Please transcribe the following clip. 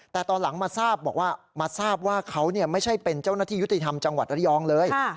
แต่ตอนหลังมาทราบบอกว่ามาทราบว่าเขาไม่ใช่เป็นเจ้าหน้าที่ยุติธรรมจังหวัดระยองเลย